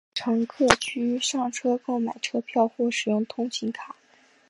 乘客需上车购买车票或使用通勤卡。